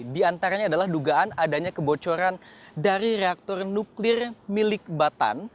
di antaranya adalah dugaan adanya kebocoran dari reaktor nuklir milik batan